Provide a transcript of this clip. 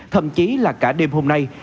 thậm chí là cả đêm hôm nay